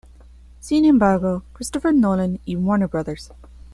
Sin embargo, Christopher Nolan y Warner Bros.